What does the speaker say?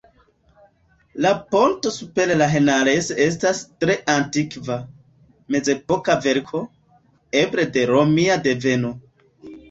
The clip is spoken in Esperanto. La ponto super la Henares estas tre antikva, mezepoka verko, eble de romia deveno.